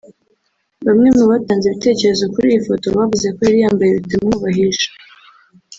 Bamwe mubatanze ibitekerezo kuri iyi foto bavuze ko yari yambaye bitamwubahisha